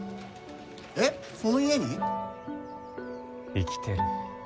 生きてる。